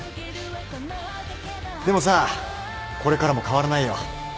でもさこれからも変わらないよ